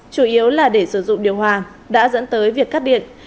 chủ yếu là để sử dụng điều hòa đã dẫn tới việc cắt điện